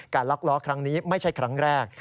ล็อกล้อครั้งนี้ไม่ใช่ครั้งแรก